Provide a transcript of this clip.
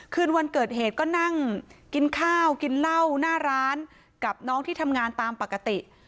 คืนวันเกิดเหตุก็นั่งกินข้าวกินเหล้าหน้าร้านกับน้องที่ทำงานตามปกติ